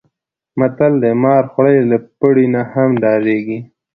متل دی: مار خوړلی له پړي نه هم ډارېږي.